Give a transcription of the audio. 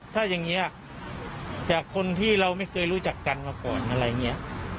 ถ้าอย่างนี้จากคนที่เราไม่เคยรู้จักกันมาก่อนอะไรอย่างนี้